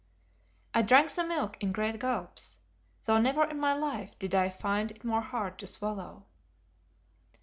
I drank the milk in great gulps, though never in my life did I find it more hard to swallow.